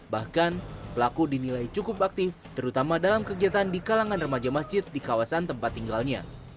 bahkan pelaku dinilai cukup aktif terutama dalam kegiatan di kalangan remaja masjid di kawasan tempat tinggalnya